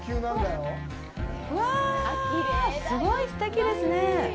うわぁ、すごいすてきですね。